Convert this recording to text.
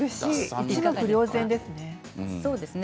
一目瞭然ですね。